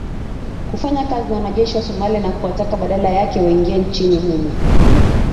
kufanya kazi na wanajeshi wa Somalia na kuwataka badala yake waingie nchini humo